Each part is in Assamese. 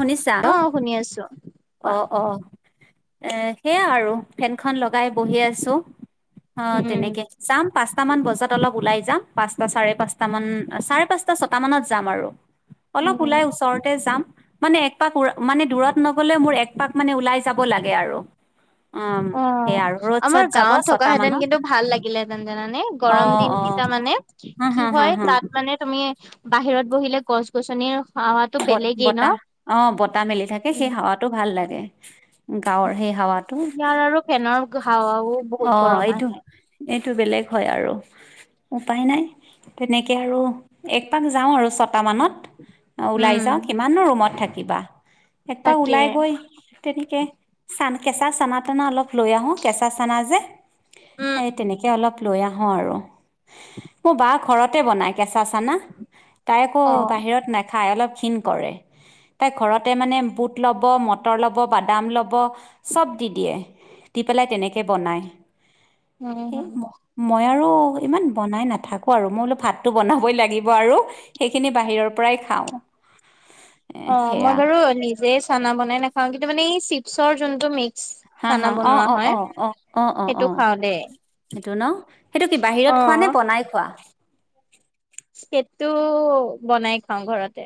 শুনিছা অ, শুনি আছো। কোৱা অ'- অ' এ সেয়া আৰু ফেনখন লগাই বহি আছো। অ' উম তেনেকে চাম। পাঁচটা মান বজাত অলপ ওলাই যাম পাচটা চাৰে পাঁচটা মান চাৰে পাঁচটা ছট মানত যাম আৰু। অলপ উম ওলাই ওচৰতে যাম মানে একপাক উ মানে দূৰত ন বোলে মোৰ একপাক মানে ওলাই যাব লাগে আৰু। উম সেয়া আৰু অ' ৰ'দ চ'দ আমাৰ যাব গাঁৱত থকা ছটা হেতেন মানত কিন্তু ভাল লাগিলে হেতেন যিনানে? গৰম অ', দিন অ', কিটা মানে হা কি হা হা হয় হা তাত মানে তুমি বাহিৰত বহিলে গছ গছনিৰ হাৱাটো ব বেলেগেই ন বতাহ, অ' বতাহ মেলি থাকে সেই উম হাৱাটো ভাল লাগে। গাঁৱৰ সেই হাৱাটো ইয়াৰ আৰু ফেনৰ হাৱাও বহুত অ' গৰম এইটো আহে এই বেলেগ হয় আৰু, উপায় নাই, তেনেকে আৰু এক পাক যাওঁ আৰু চ টা মানত, ওলাই যাওঁ কিমান ৰুমত থাকিবা, একবাৰ তাকে ওলাই গৈ তেনেকে চান কেঁচা চানা টানা অলপ লৈ আহো কেঁচা চানা যে। এই তেনেকে অলপ লৈ আহো আৰু মোৰ বা ঘৰতে বনাই কেচ নাচানা, তাই আকৌ অ বাহিৰত নাই। অলপ ঘিন কৰে, তাই ঘৰতে মানে বুট ল'ব, মটৰ ল'ব, বাদাম ল'ব। চব দি দিয়ে, দি পেলাই তেনেকে বনায়। সেই অ'। ম- মই আৰু ইমান বনাই নাথাকো আৰু মই বোলো ভাতো বনাবই লাগিব আৰু সেইখিনি বাহিৰৰ পৰাই [unintelligible] অ' সেয়া মই বাৰু নিজে চানা বনাই নাখাও কিন্তু মানে এই চিপছৰ যোনটো মিক হা- হা, অ- অ- অ- অ- সেইটো অ-অ। খাওঁ দেই সেইটো ন সেইটো কি বাহিৰত খোৱা অ নে বনাই খোৱা। সেটো বনাই খাওঁ ঘৰতে।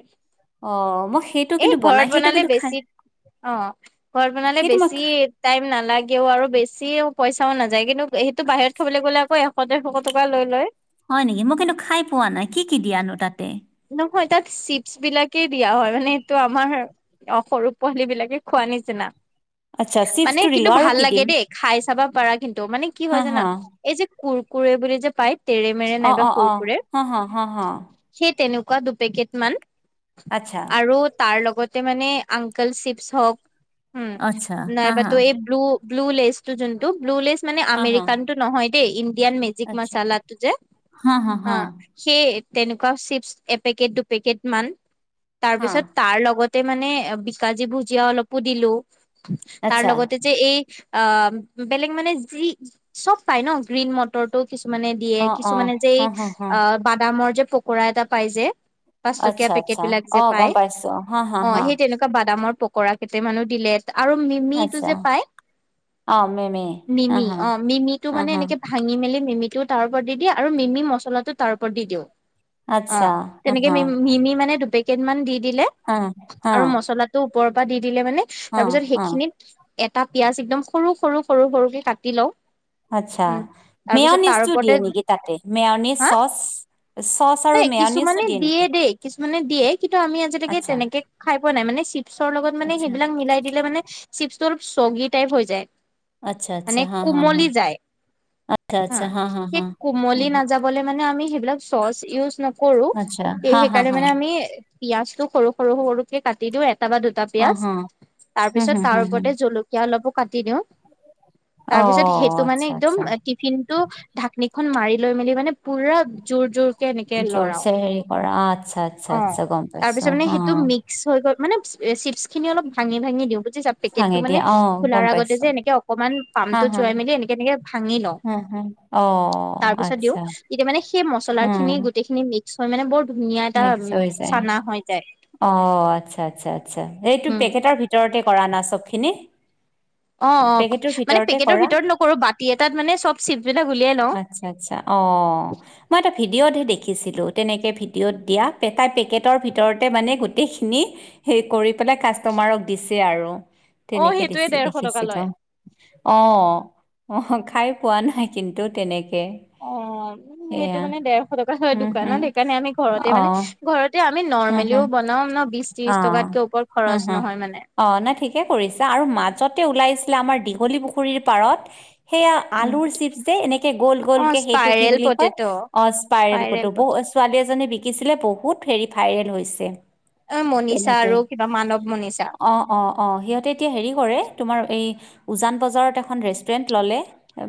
অ' মই সেইটো এ কিন্তু বনাই ঘৰত সেইটো বনালে কিন্তু খাই বেছি অ' ঘৰত বনালে সেইটো মই বেছি খা- টাইম নালাগেও আৰু বেছিও পইচ চাও নাযায় কিন্তু সেইটো বাহিৰত খাবলৈ গ'লে আকৌ এশ দেৰশ টকা লৈ লয়। হয় নেকি মই কিন্তু খাই পোৱা নাই কি- কি দিয়ানো তাতে। নহয় তাত চিপছ বিলাকে দিয়া হয় মানে এইটো আমাৰ, অ' সৰু পোৱালি বিলাকে খোৱা আচ্ছা [unintelligible] মানে চিপছটো দিলো কিন্তু আৰু ভাল কি লাগে দিম দেই খাই চাবা পাৰা কিন্তু মানে কি হা হয় জানা হা এই যে কুৰ কুৰে বুলি যে পায় তেৰে মেৰে অ নাইবা অ অ কুৰকুৰে হা হা হা হা সেই তেনেকুৱা দুপেকেট মান, আচ্ছা আৰু তাৰ লগত তে মানে আংকল চিপচ হওক হম, আচ্ছা হা হা নাইবাতো এই ব্লু ব্লু লেইজটো যোনটো ব্লু লেইজ মানে হা হা আমেৰিকান টো নহয় দেই ইন ইয়াত মেজিক আচ্ছা মচালা টো যে, হা, সেই তেনেকুৱা চিপচ এপেকট দুপেকেট মান, হা তাৰপিছত তাৰ লগত মানে বিকাজী ভুজিয়া অলপো দিলো, তাৰ আচ্ছা লগতে যে এই আ বেলেগ মানে যি চব পাই ন, গ্ৰীণ মটৰটো। কিছুমানে দিয়ে, অ অ কিছুমানে যে হা হা হা আ বাদামৰ যে পকোৰা এটা পাই যে। পাঁচ টকিয়া আচ্ছা পেকেট আচ্ছা বিলাক যে অ পায়, গম পাইছো হা হা অ' হা সেই তেনেকোৱা বাদামৰ পকৰা কেইটামানো দিলে আৰু মিমি টো আচ্ছা যে পাই। অ মে মে হা মিমি হা অ' মিমিটো হা মানে হা এনেকে ভাঙি মেলি মিমিটোও তাৰ ওপৰত দি- দি আৰু মিমি মছলাটো তাৰ ওপৰত দি দিওঁ। আচ্ছা অ', হা তেনেকে হা ম মিমি মানে দুপেক কেটামান দি দিলে হা হা আৰু মছলাটো ওপৰৰ পৰা দি দিলে মানে হা তাৰপিছত হা সেইখিনিত এটা পিয়াজ একদম সৰু, সৰু, সৰু, সৰুকে কাটি লওঁ। আচ্ছা উম তাৰপিছত তাৰ মেয়নিজটো ওপৰতে দিয়ে নেকি তাতে মেয়নিজ হা চচ। চচ আৰু নাই মেয়নিজো কিছুমানে দিয়ে নেকি দেই কিছুমানে দিয়ে কিন্তু আমি আজিলৈকে আচ্ছা তেনেকে খাই পোৱা নাই মানে চিপছৰ লগত মানে মানে আচ্ছা সেইবিলাক মিলাই দিলে মানে চিপচটো অলপ চগী টাইপ হৈ যায় আচ্ছা আচ্ছা মানে হা হা হা কোমলি যায় আচ্ছা আচ্ছা না হা হা হা সেই কুমলী নাযাবলে মানে আমি সেইবিলাক চচ ইউচ নকৰো আচ্ছা হা হা সেইকাৰণে হা মানে আমি পিয়াঁজ টো সৰু সৰু সৰুকে কাটি দিও এটা বা দুটা হা পিয়াঁজ হা তাৰ হুম পিছত হুম তাৰ হুম হুম ওপৰতে জলকীয়া অলপো কাটি দিওঁ অ তাৰ পিছত সেইটো মানে আচ্ছা একদম আচ্ছা টিফিন টো ঢাকনি খন মাৰি লৈ মেলি মানে পুৰা জোৰ জোৰ কে জোৰছে হেৰি কৰা আচ্ছা আচ্ছা অ আচ্ছা গম তাৰ পাইছো পিছত মানে হা সেইটো মিক্স হৈ গল মানে চিপছ খিনি অলপ ভাঙি ভাঙি দিওঁ পেকেটটো ভাঙি মানে দিয়া অ খোলাৰ গম আগতে পাইছো যে এনেকে অকনমান হা পামটোত হা যোৱাই মেলি এনেকে এনেকে ভাঙি লওঁ হা হা অ তাৰ পিছত দিওঁ আচ্ছা এতিয়া মানে সেই মচলা উম খিনি গোটেইখিনি মিক্স হয় মানে বৰ ধুনীয়া এটা উম মিক্স হৈ যায় চানা হৈ যায় অ আচ্ছা আচ্ছা আচ্ছা এইটো উম পেকেটৰ ভিতৰতে কৰা না চব খিনি অ অ পেকেটৰ মানে ভিতৰতে পেকেটৰ কৰা ভিতৰত নকৰো বাতি এটাত মানে চব চিপ বিলাক উলিয়াই লওঁ আচ্ছা আচ্ছা অ মই এটা ভিডিঅ'তহে দেখিছিলো তেনেকে ভিডিঅ'ত দিয়া পেকাই পেকেটৰ ভিতৰতে মানে গোটেইখিনি সেই কৰি পেলাই কাষ্টমাৰক দিছে আৰু অ তেনেকে সেইটোৱে দিছে ডেৰশ টকা দেখিছিলো লয় অ অ খাই পোৱা নাই কিন্তু তেনেক- অ উম সেইটো মানে ডেৰশ টকা হয় উম, দোকানত হুম, সেইকাৰণে আমি ঘৰতে মানে অ', ঘৰতে আমি হুম, নৰৰ্মেলিও হুম, বনাও ন বিচ ত্ৰিশ অ', টকাতকৈ ওপৰত হুম, খৰচ হুম, নহয় মানে অ', নাই ঠিকে কৰিছো আৰু মাজতে ওলাইছিলে আমাৰ দীঘলী পুখুৰীৰ পাৰত সেইয়া উম আলুৰ চিপছ যে এনেকে গ'ল অ গ'ল কে সেইটো কি স্পাইৰেল বুলি কয় পটেট অ স্পাইৰেল পটো [unintelligible] ছোৱালী এজনীয়ে বিকিছিলে বহুত হেৰি ভাইৰেল হৈছে অ মনিষা তেনেকে আৰু কিবা মানৱ মনিষা অ অ অ সিহঁতে এতিয়া হেৰি কৰে তোমাৰ এই উজান বজাৰত এখন ৰেষ্টুৰেণ্ট ল'লে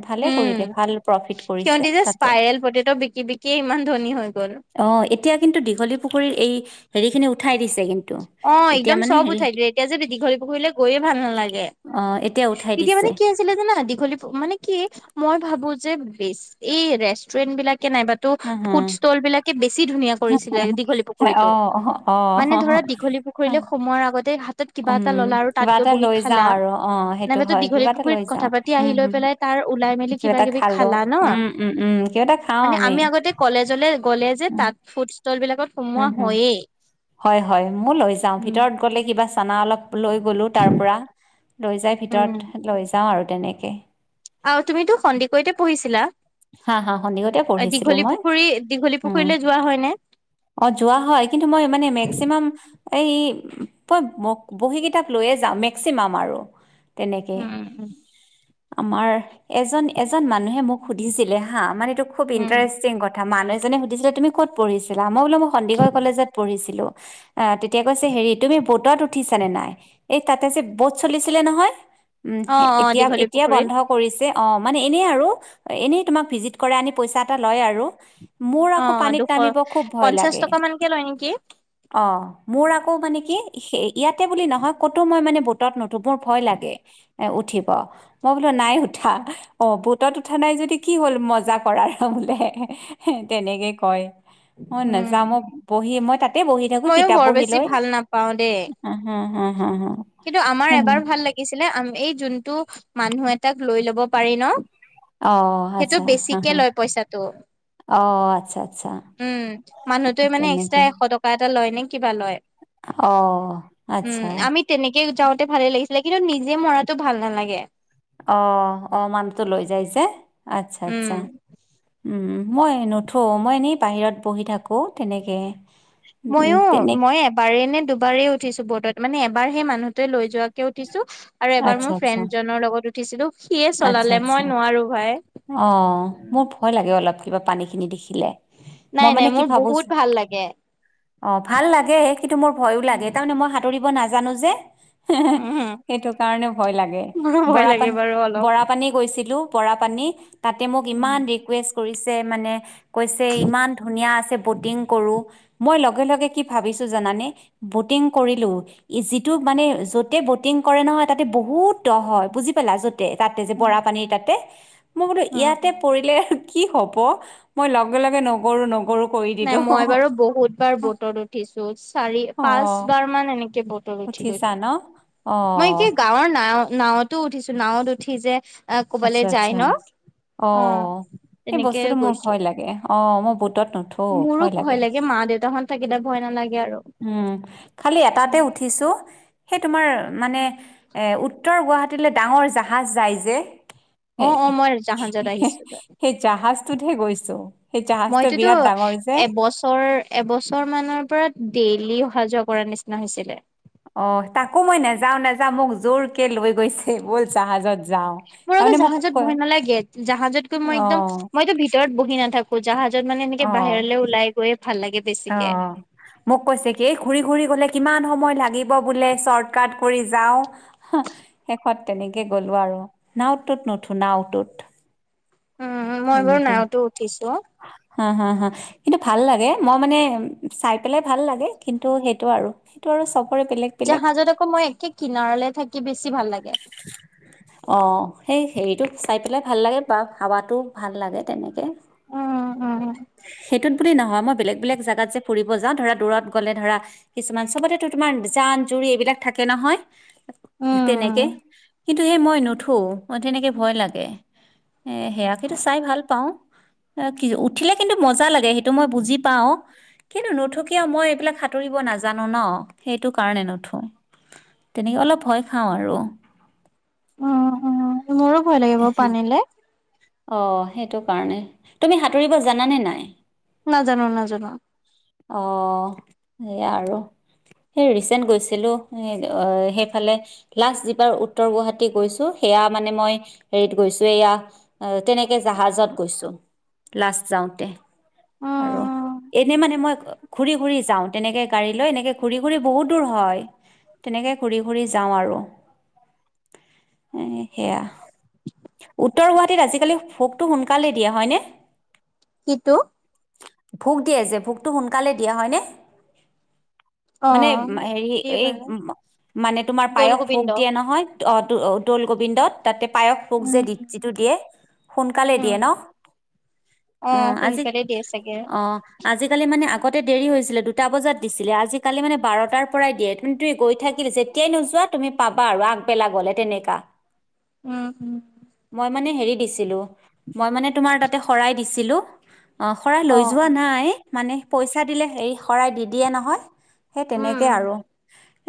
ভালে কৰিলে উম ভাল প্ৰফিট কৰিছে সিহতি যে তাতে স্পাইৰেল প্ৰতিটো বিকি বিকিয়ে ইমান ধনী হৈ গ'ল। অ এতিয়া কিন্তু দীঘলী পুখুৰীৰ এই হেৰি খিনি উঠাই দিছে। কিন্তু অ এতিয়া একদম মানে চব হেৰি উঠাই দিলোে এতিয়া যে দীঘলী পুখুৰীলৈ গৈয়ে ভাল নালাগে। অ এতিয়া উঠাই তেতিয়া দিছে মানে কি আছিলে জানা দীঘলী পুখুৰীৰ মানে কি মই ভাবো যে ব এই ৰেষ্টুৰেন্ট বিলাক। নাইবাতো হা, হা। ফুড ষ্টল বিলাকে বেছি ধুনীয়া কৰিছিলে দীঘলী অ পুখুৰীতটো অ মানে ধৰা অ দীঘলী পুখুৰীলে সোমোৱা আগতে কিবা উম এটা ললা আৰু তাত কিবা গৈ এটা বহি লৈ যাওঁ খালা আৰু অ নব সেইটো তো হয় দীঘলী কিবা এটা পুখুৰীত লৈ কথা যাওঁ পাতি আহি উম লৈ হম পেলাই তাৰ উলাই মেলি কিবা এটা কিবি খালো খালা ন উম উম উম কিবা এটা খাওঁ আমি আগতে কল কলেজলে গ'লে যে উম তাত ফুড- ষ্টল বিলাকত সোমোৱা হম হম হয়েই। হয় হয় মোৰ লৈ যাওঁ উম। ভিতৰত গ'লে কিবা চানা অলপ লৈ গলো তাৰ পৰা লৈ যাই উম ভিতৰত লৈ যাওঁ আৰু তেনেকে আৰু তুমিতো সন্দিকৈতে পঢ়িছিলা। হা হা সন্দিকৈতে পঢ়িছিলোঁ দীঘলী মই পুখুৰী দীঘলী উম। পুখুৰীলৈ যোৱা হয়নে? অ যোৱা হয় কিন্তু মই মানে মেক্সিমাম। এই তই বহী কিতাপ লৈয়ে যাম মেক্সিমাম আৰু তেনেকে উম। আমাৰ এজন এজন মানুহে মোক সুধিছিলে হা মানেটো খুব ইণ্টাৰেষ্টিং কথা মানুহ এজনে সুধিছিল তুমি কত পঢ়িছিলা মই বোলো মই সন্দিকৈ কলেজত পঢ়িছিলোঁ। আহ তেতিয়া কৈছে হেৰি তুমি বোটত উঠিছানে নাই এই তাতে যে ব'ট চলিছিলে নহয়। উম অ অ এতিয়া দীঘলী এতিয়া পুখুৰীত বন্ধ কৰিছে অ মানে এনে আৰু এনেই তোমাক ভিজিট কৰা আনি পইচা এটা লয় আৰু মোৰ অ আকৌ পানীত দুশ নামিব খুব ভয় পঞ্চাশ লাগে টকা মানকে লয় নেকি অ মোৰ আকৌ মানে কি ইয়াতে বুলি নহয় ক'তো মই মানে বোটত নুঠো মোৰ ভয় লাগে। উঠিব মই বোলো নাই উঠা অ বুটত কথা নাই যদি কি হ'ল মজা কৰাৰ বোলে তেনেকে কয় অ নাযাওঁ মই বহি মই তাতে বহি থাকো ময়ো কিতাপ বৰ বহি বেছি লৈ ভাল নাপাওঁ দেই হা হা হা হা হা কিন্তু আমাৰ উম। এবাৰ ভাল লাগিছিলে আ এই যোনটো মানুহ এটাক লৈ লব পাৰি ন অ আচ্ছা সেইটো হা বেছিকে হা লয় পইচাটো অ আচ্ছা আচ্ছা উম মানুহটোৱে মানে তেনেকে এক্সট্ৰা এশ টকা এটা লয় নে কিবা লয়। অ উম আচ্ছা আমি তেনেকে যাওঁতে ভালে লাগিছিলে কিন্তু নিজে মৰাতো ভাল নালাগে। অ অ মানুহতো লৈ যাইছে আচ্ছা আচ্ছা উম মই নুঠো মই এনেই বাহিৰত বহি থাকোঁ তেনেকৈ ময়ো মই এবাৰেই নে দুবাৰেই উঠিছো ব্তত মানে এবাৰ সেই মানুহটোৱে লৈ যোৱা উঠিছো আৰু এবাৰ আচ্ছা, মোৰ আচ্ছা, ফ্ৰেণ্ডজনৰ লগত উঠিছিলো সিয়ে আচ্ছা চলালে মই আচ্ছা নোৱাৰো ভাই। অ মোৰ ভয় লাগে অলপ কিবা পানী খিনি দেখিলে মই নাই মানে নাই কি মোৰ ভাবোঁ বহুত ভাল লাগে অ ভাল লাগে কিন্তু মোৰ ভয়ো লাগে তাৰমানে মই সাঁতৰিব নাজানো যে উম সেইটো কাৰণে ভয় লাগে মোৰো ভয় বৰা লাগে পানী বাৰু অলপ। বৰা পানী গৈছিলো পৰা পানী তাতে মোক ইমান ৰিকুৱেষ্ট কৰিছে মানে কৈছে ইমান ধুনীয়া আছে বটিং কৰো মই লগে লগে কি ভাবিছো জানানে ব'টিং কৰিলো যিটো মানে য'তে ব'টিং কৰে নহয় তাতে বহুত দ হয় বুজি পালা য তাতে যে বৰা পানীৰ তাতে মই বোলো উম ইয়াতে পৰিলে কি হ'ব মই লগে লগে নগৰু নগৰু নাই মই বাৰু বহুত বাৰ বটত উঠিছো চাৰি অ পাঁচ বাৰ মান এনেকে বট উঠি উঠিছা গৈছো ন? মই অ', এেই গাঁৱৰ না নাৱতো উঠিছো নাৱত উঠি যে আহ আচ্ছা ক'বালৈ যায় আচ্ছা, ন অ সেই তেনেকে বস্তুটো মোৰ ভয় গৈছো লাগে, অ মোৰ বুটত মোৰো ভয় লাগে মা দেউতাাহত থাকিলে ভয় নালাগে আৰু। উম খালি এটাতে উঠিছো সেই তোমাৰ মানে এ উত্তৰ গুৱাহাটীলৈ ডাঙৰ জাহাজ যায় যে এ অ অ মই জাহাজত আহিছিলো সেই জাহাজটোতহে গৈছো সেই জাহাজটো মইতোতো বিৰাট ডাঙৰ যে এবছৰ এবছৰ মানৰ পৰা ডেইলি অহা যোৱা কৰাৰ নিচিনা হৈছিলে। অ তাকো মই নাযাও নাযাও মোক জোৰ কেে লৈ গৈছে ব'ল জাহাজত যাওঁ। মোৰ আকৌ তাৰমানে মোক জাহাজত বহয় ক- নালাগে জাহাজত গৈ মই একদম অ', মইতো ভিতৰত বহি নাথাকো জাহাজ ত মানে এনেকে অ'। বাহিৰলৈ ওলাই গৈে অ মোক কৈছে কি এই ঘূৰি ঘূৰি গ'লে কিমান সময় লাগিব বোলে চৰ্ট কট কৰি যাও শেষত তেনেকে গ'লো আৰু নাওতত নুঠো নাওটোত উম মই বাৰু তেনেকে নাৱতো উঠিছো হা হা হা কিন্তু ভাল লাগে মই মানে চাই পেলাই ভাল লাগে কিন্তু সেইটো আৰু সেইটো আৰু চব জাহাজত আকৌ মই একে কিনাৰলে থাকি বেছি ভাল লাগে অ সেই হেৰিটো চাই পেলাই ভাল লাগে বা হাৱাটো ভাল লাগে তেনেকে উম উম সেইটো নহয় মই বেলেগ বেলেগ জেগাত যে ফুৰিব যা ধৰা দূৰত গ'লে ধৰা কিছুমান চবতেো তোমাৰ জান জু এইবিলাক থাকে নহয় উম তেনেকে কিন্তু সেই মই নুঠো তেনেকে ভয় লাগে এ সেয়া সেইটো চাই ভাল পাওঁ অ কি উঠিলে কিন্তু মজা লাগে সেইটো মই বুজি পাও কিন্তু নথকিয়ও মই এইবিলাক সাঁতুৰিব নাজানো ন সেইটো কাৰণে নুথো তেনেকে অলপ ভয় খাওঁ আৰু উম উম মোৰো ভয় লাগিব পানীলে অ সেইটো কাৰণে তুমি সাঁতুৰিব জানে নাই নাজানো - নাজানো। অ, সেইয়া আৰু সেই ৰিচেন্ট গৈছিলো সেইফালে লাষ্ট যিবাৰ উত্তৰ গুৱাহটী গৈছো। এয়া মানে মই হেৰিত গৈছো এয়া তেনেকে জাহাজত গৈছো। লাষ্ট যাওতে আৰু উম এনে মানে মই ঘূৰি - ঘুৰি যাও তেনেকে গাড়ী লৈ এনেকে ঘূৰি - ঘূৰি বহুত দূৰ হয়। তেনেকে ঘূৰি ঘূৰি যাওঁ আৰু, এ সেয়া। উত্তৰ গুৱাহাটীত আজিকালি ভোগটো সোনকালে দিয়ে হয়নে? কিটো ভোগ দিয়ে যে ভোগটো সোনকালে দিয়ে হয়নে? অ মানে হেৰি দিয়ে এই বাৰু মানে তোমাৰ দৌল পায়স ভোগ গোবিন্দ। দিয়ে নহয় দৌলগোবিন্দত। তাতে পায়স ভোগ উম, যিটো দিয়ে সোনকালে দিয়ে ন? অ, আজি সোনকালে দিয়ে চাগে। অ, আজিকালি মানে আগতে দেৰি হৈছিলে দুটা বজাত দিছিলে আজিকালি মানে বাৰটাৰ পৰাই দিয়ে কিন্তু গৈ থাকিলে যে তেতিয়াই নোযোৱা তুমি পাবা আৰু আগবেলা গলে তেনেকা উম, মই মানে হেৰি দিছিলো মই মানে তোমাৰ তাতে শৰাই দিছিলো। অ, শৰাই লৈ যোৱা অ' নাই মানে পইচা দিলে হেৰি শৰাই দি দিয়ে নহয়। সেই উম, তেনেকে আৰু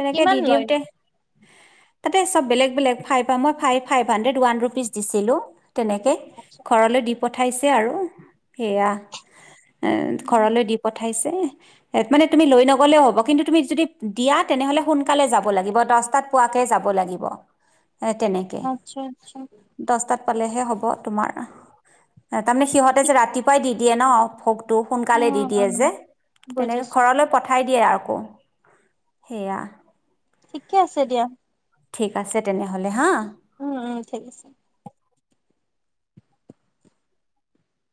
তেনেকে কিমান দি লয় দিওতে নো? তাতে চব বেলেগ- বেলেগ ফাইভ মই five five hundred one rupees দিছিলো। তেনেকে আচ্ছা। ঘৰলৈ দি পঠাইছে আৰু সেয়া ঘৰলৈ দি পঠাইছে। মানে তুমি লৈ নগলেও হ'ব কিন্তু তুমি যদি দিয়া তেনেহলে সোনকালে যাব লাগিব দশটাত পো তে যাব লাগিব। এ তেনেকে আচ্ছা, আচ্ছা। দশটাত পালেহে হ'ব তোমাৰ তাৰমানে সিহতে যে ঠিক ৰাতিপুৱাই দি দিয়ে ন ভোগটো। সোনকালে দি অ' - দিয়ে যে অ' বুজিছো। দিয়ে আকৌ সেয়া ঠিকে আছে দিয়া। ঠিক আছে তেনেহলে হা। উম - উম ঠিক আছে।